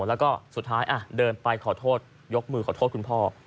แล้วก็สุดท้ายเดินไปขอโทษยกมือขอโทษคุณพ่อ